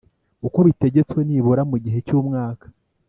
uko bitegetswe nibura mu gihe cyumwaka